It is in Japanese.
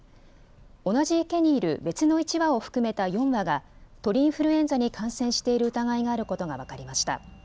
同じ池にいる別の１羽を含めた４羽が鳥インフルエンザに感染している疑いがあることが分かりました。